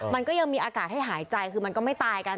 มันก็ยังมีอากาศให้หายใจคือมันก็ไม่ตายกัน